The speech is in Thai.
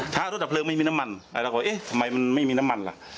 ถ้ารถอับเปลิงถามงานมีน้ำมันทำไมมีน้ำมันละ